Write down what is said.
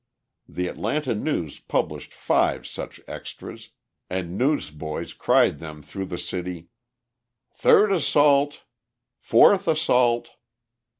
The Atlanta News published five such extras, and newsboys cried them through the city: "Third assault." "Fourth assault."